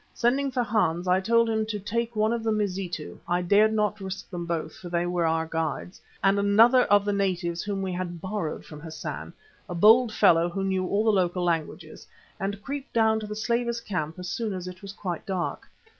Sending for Hans, I told him to take one of the Mazitu I dared not risk them both for they were our guides and another of the natives whom we had borrowed from Hassan, a bold fellow who knew all the local languages, and creep down to the slavers' camp as soon as it was quite dark.